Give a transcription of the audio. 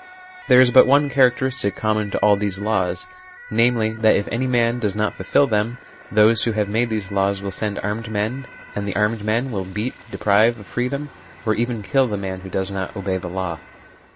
There is but one characteristic common to all these laws, namely, that if any man does not fulfil them, those who have made these laws will send armed men, and the armed men will beat, deprive of freedom, or even kill, the man who does not obey the law.